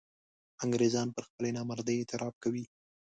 انګرېزان پر خپلې نامردۍ اعتراف کوي.